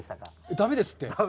だめですって！